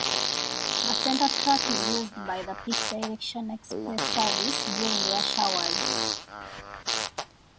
The center track is used by the peak direction express service during rush hours.